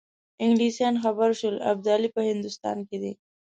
انګلیسان خبر شول ابدالي په هندوستان کې دی.